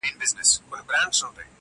له ازله د خپل ځان په وینو رنګ یو؛